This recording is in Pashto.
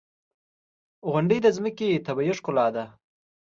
• غونډۍ د ځمکې طبیعي ښکلا ده.